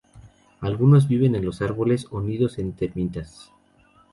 Algunos viven en los árboles o en nidos de termitas